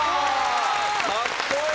かっこいい！